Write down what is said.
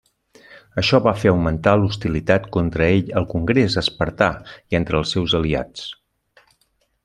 Això va fer augmentar l'hostilitat contra ell al congrés espartà i entre els seus aliats.